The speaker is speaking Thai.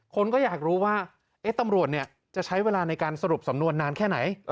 คนก็อยากรู้ว่าตำรวจจะใช้เวลาในการสรุปสำนวนนานแค่ไหน